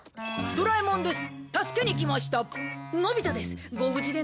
ドラえもんです。